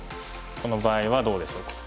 この場合はどうでしょう。